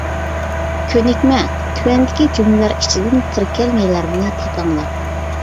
كۆنۈكمە: تۆۋەندىكى جۈملىلەر ئىچىدىن تىركەلمىلەرنى تېپىڭلار.